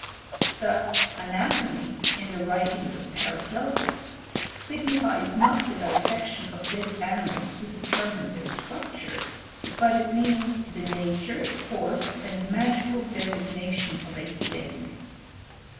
Thus anatomy, in the ifvritings of Paracelsus, signifies not the dissection of dead animals to determine their structure, but it means the nature, force, and magical designation of a thing.